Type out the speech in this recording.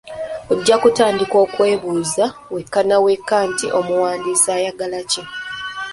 Ojja kutandika okwebuuza wekka na wekka nti omuwandiisi ayagala ki?